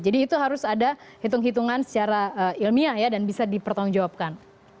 jadi itu harus ada hitung hitungan secara ilmiah ya dan bisa dipertanggung jawabkan